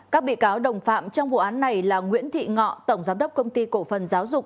các bị cáo đồng phạm trong vụ án này là nguyễn thị ngọ tổng giám đốc công ty cổ phần giáo dục